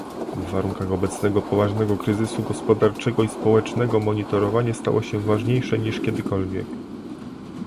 W warunkach obecnego poważnego kryzysu gospodarczego i społecznego monitorowanie stało się ważniejsze niż kiedykolwiek